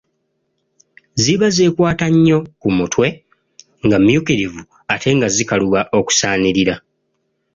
"Ziba zeekwata nnyo ku mutwe, nga mmyukirivu ate nga zikaluba okusanirira."